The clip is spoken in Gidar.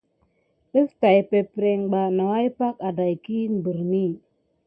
Ɗəf tay peɗmekel ɓa nawua pay adaye birayini.